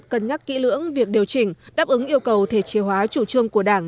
cân nhắc kỹ lưỡng việc điều chỉnh đáp ứng yêu cầu thể chế hóa chủ trương của đảng